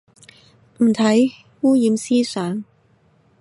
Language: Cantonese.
唔睇，污染思想